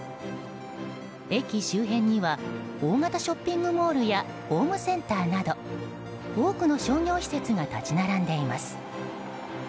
駅周辺には大型ショッピングモールやホームセンターなど多くの商業施設が立ち並んでいます。